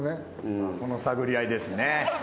さあこの探り合いですね。